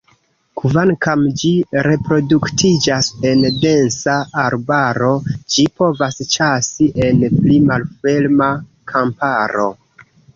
Kvankam ĝi reproduktiĝas en densa arbaro, ĝi povas ĉasi en pli malferma kamparo.